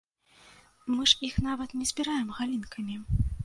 Мы ж іх нават не збіраем галінкамі.